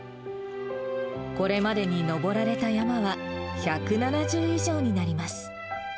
これまでに登られた山は１７０以上になります。